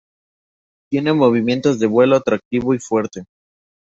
Tiene movimientos de vuelo activo y fuerte.